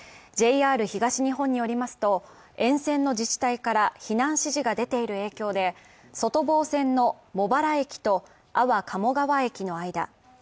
ＪＲ東日本によりますと、沿線の自治体から避難指示が出ている影響で、外房線の茂原駅と安房鴨川駅の間。